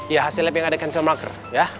ya hasil lab yang ada cancel marker ya